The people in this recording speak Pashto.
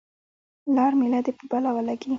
لار میله دې په بلا ولګي.